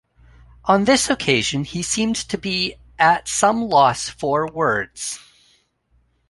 On this occasion he seemed to be at some loss for words.